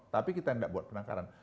tapi kita tidak buat penangkaran